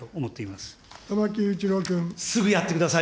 すぐやってください。